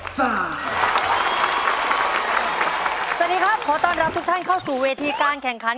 สวัสดีครับขอต้อนรับทุกท่านเข้าสู่เวทีการแข่งขัน